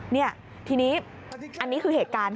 นี่ทีนี้อันนี้คือเหตุการณ์